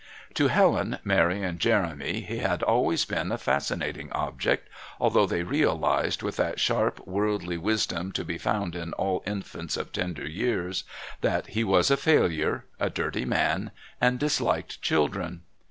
To Helen, Mary and Jeremy he had always been a fascinating object, although they realised, with that sharp worldly wisdom to be found in all infants of tender years, that he was a failure, a dirty man, and disliked children.